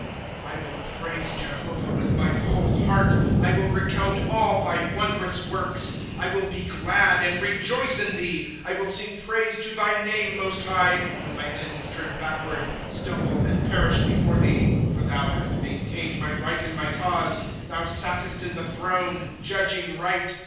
^ I WILL praise Jehovah with my whole heart ; I will recount all thy wondrous works. ^ I will be glad and rejoice in thee, I will sing praise to thy name. Most High, * When my enemies turn backward, Stumble, and perish before thee. * For thou hast maintained my right and my cause ■ Thou sattest in the throne, judging right.